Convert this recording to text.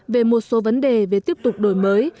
về một số vấn đề về tiếp tục đổi mới